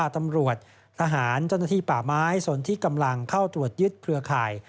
ตำรวจทหารเจ้าหน้าที่ป่าไม้สนที่กำลังเข้าตรวจยึดเครือข่าย